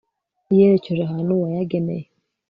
yerekeje ahantu wayageneye